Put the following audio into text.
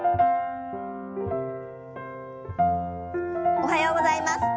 おはようございます。